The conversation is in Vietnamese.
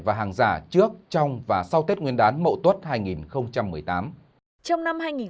ban chỉ đạo quốc gia chống buôn lậu gian lận thương mại và hàng giả trước trong và sau tết nguyên đán mậu tuất hai nghìn một mươi tám